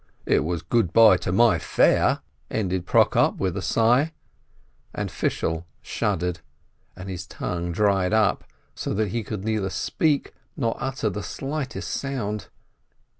"It was good by to my fare!" ended Prokop, with a sigh, and Fishel shuddered, and his tongue dried up, so that he could neither speak nor utter the slightest sound.